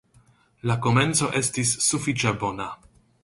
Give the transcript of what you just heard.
La komenco estis sufiĉe bona.